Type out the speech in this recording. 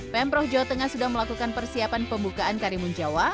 pemprov jawa tengah sudah melakukan persiapan pembukaan karimun jawa